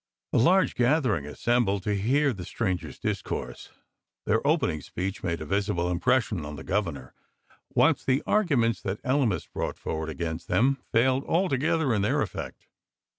A large gathering assembled to hear the sti angers discourse. Their opening speech made a visible impression on the Governor, whilst the arguments that Elymas brought forward against them failed altogether in their effect.